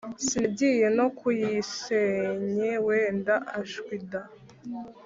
Sinagiye no kugisenye wenda ashwida